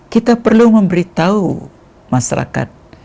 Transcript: kita perlu memberitahu masyarakat